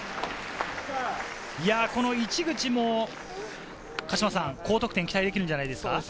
市口も高得点が期待できるんじゃないですか？